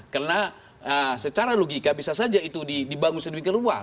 karena secara logika bisa saja itu dibangun sendiri ke rumah